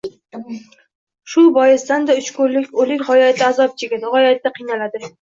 Shu boisdan-da, uch kunlik o‘lik g‘oyatda azob chekadi, g‘oyatda kiynaladi.